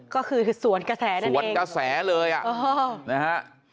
ก็คือสวนกระแสนั่นเองสวนกระแสเลยนะฮะ